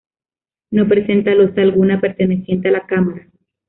No presenta losa alguna perteneciente a la cámara.